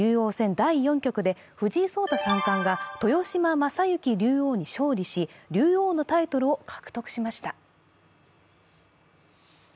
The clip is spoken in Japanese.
第４局で豊島将之竜王に勝利し、竜王のタイトルを獲得しました。